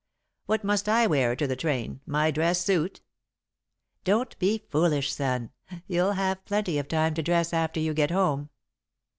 "What must I wear to the train my dress suit?" "Don't be foolish, son. You'll have plenty of time to dress after you get home."